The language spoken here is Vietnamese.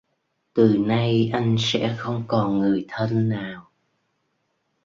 Từ nay anh sẽ không còn người thân nào